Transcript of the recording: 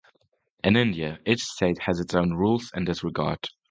In India, each state has its own rules in this regard.